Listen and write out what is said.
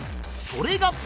それが